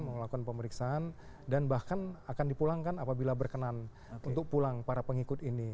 melakukan pemeriksaan dan bahkan akan dipulangkan apabila berkenan untuk pulang para pengikut ini